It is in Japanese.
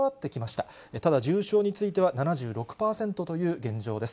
ただ重症については、７６％という現状です。